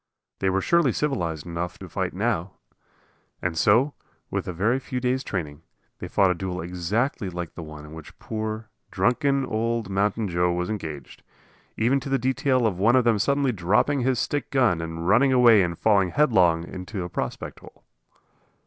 They were surely civilized enough to fight now! And so, with a very few days' training, they fought a duel exactly like the one in which poor, drunken old Mountain Joe was engaged; even to the detail of one of them suddenly dropping his stick gun and running away and falling headlong in a prospect hole.